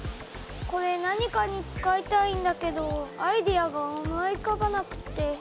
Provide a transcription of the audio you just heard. これ何かに使いたいんだけどアイデアが思いうかばなくて。